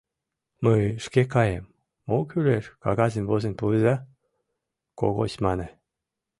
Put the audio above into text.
— Мый шке каем, мо кӱлеш кагазым возен пуыза, — Когось мане.